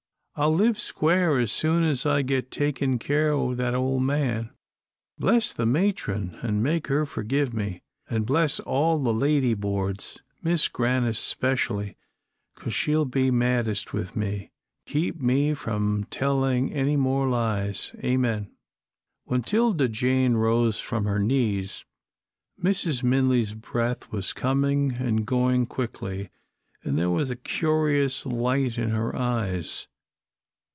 I'll live square as soon as I get takin' care o' that ole man. Bless the matron an' make her forgive me, an' bless all the lady boards Mis' Grannis 'specially, 'cause she'll be maddest with me. Keep me from tellin' any more lies. Amen." When 'Tilda Jane rose from her knees, Mrs. Minley's breath was coming and going quickly, and there was a curious light in her eyes.